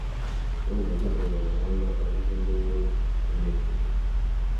Tom yagendaga mumuhanda avuza induru tunezerewe